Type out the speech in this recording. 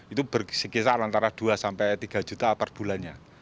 itu berkisar antara dua sampai tiga juta per bulannya